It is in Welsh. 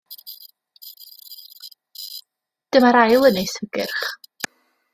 Dyma'r ail ynys hygyrch.